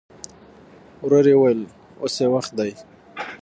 ورو يې وويل: اوس يې وخت دی.